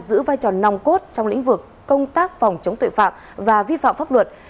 giữ vai trò nòng cốt trong lĩnh vực công tác phòng chống tội phạm và vi phạm pháp luật